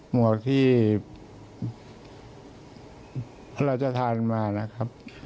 หวกที่พระราชทานมานะครับ